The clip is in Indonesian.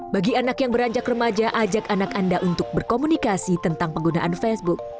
bagi anak yang beranjak remaja ajak anak anda untuk berkomunikasi tentang penggunaan facebook